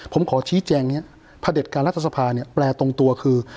ผมขอชี้แจงนี้พระเด็จการรัฐสภาเนี่ยแปลตรงตัวคือ